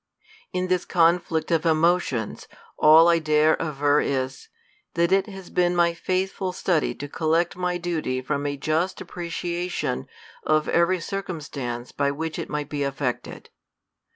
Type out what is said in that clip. In this conflict of emotions, all I dare aver is, that it has been my faithful study to collect my duty from a just appreciation of every circumstance by which it might be affected.